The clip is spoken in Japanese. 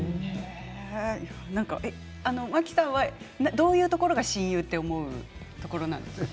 どういうところが親友と思うところなんですか？